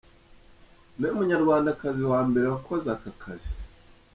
Ni we munyarwandakazi wa mbere wakoze aka kazi.